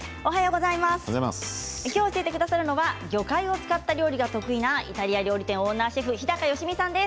今日、教えてくださるのは魚介を使った料理が得意なイタリア料理店オーナーシェフの日高良実さんです。